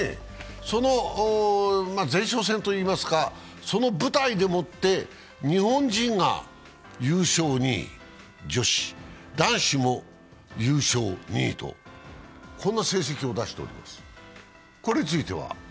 その前哨戦といいますか、その舞台でもって日本人が優勝、２位、女子、男子も優勝、２位と、こんな成績を出しております。